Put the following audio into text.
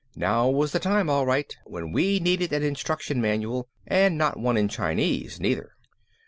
Now was the time, all right, when we needed an instruction manual and not one in Chinese neither!